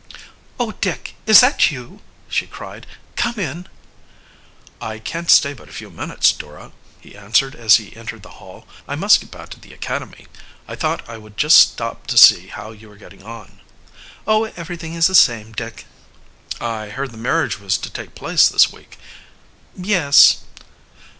"Oh, Dick, is that you?" she cried. "Come in." "I can't stay but a few minutes, Dora," he answered as he entered the hall. "I must get back to the academy. I thought I would just stop to see how you are getting on." "Oh, everything is the same, Dick." "I heard the marriage was to take place this week." "Yes."